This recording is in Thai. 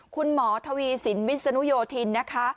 คุณหมอทวีสินวิศนุโยธินนะคะ